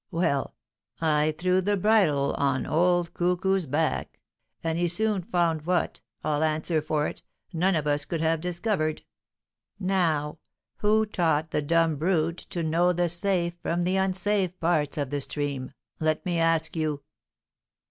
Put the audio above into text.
Well, I threw the bridle on old Cuckoo's back, and he soon found what, I'll answer for it, none of us could have discovered. Now, who taught the dumb brute to know the safe from the unsafe parts of the stream, let me ask you?"